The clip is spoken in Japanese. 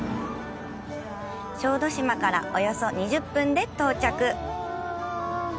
小豆島から、およそ２０分で到着。